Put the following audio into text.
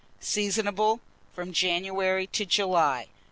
Seasonable from January to July.